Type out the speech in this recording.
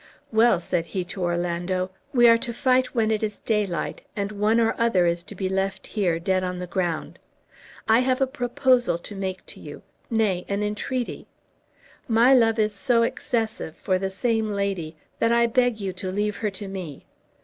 "Well," said he to Orlando, "we are to fight when it is daylight, and one or other is to be left here, dead on the ground. I have a proposal to make to you nay, an entreaty. My love is so excessive for the same lady that I beg you to leave her to me.